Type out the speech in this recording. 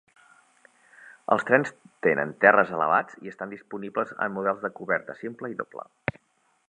Els trens tenen terres elevats i estan disponibles en models de coberta simple i doble.